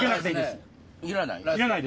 いらない？